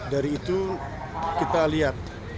dari itu kita lihat